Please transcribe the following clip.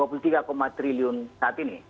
rp dua puluh tiga triliun saat ini